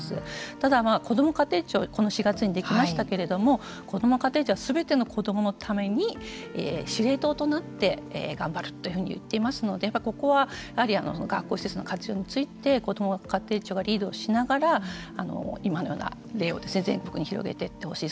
ただ、こども家庭庁この４月にできましたけれどもこども家庭庁はすべての子どものために司令塔となって頑張るというふうに言っていますのでここはやはり学校施設の活用についてこども家庭庁がリードしながら今のような例を全国に広げていってほしい。